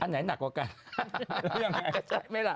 อันไหนหนักกว่ากัน